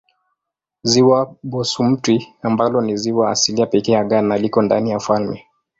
Ziwa Bosumtwi ambalo ni ziwa asilia pekee ya Ghana liko ndani ya ufalme.